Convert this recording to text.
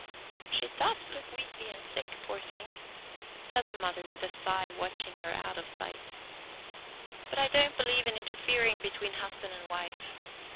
"She does look weakly and sick, poor thing," said the mother with a sigh watching her out of sight, "but I don't believe in interfering between husband and wife.